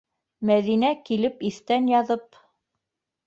Мәҙинә килеп иҫтән яҙып...